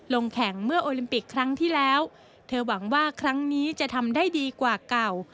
ลงแข่งเมื่อโอลิมปิกครั้งที่แล้วเธอหวังว่าครั้งนี้จะทำได้ดีกว่าเก่า